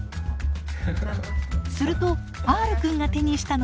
するとＲくんが手にしたのはゲーム。